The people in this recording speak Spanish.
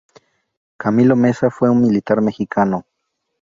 Camilo Meza fue un militar mexicano.